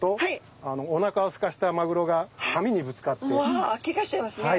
わあけがしちゃいますね。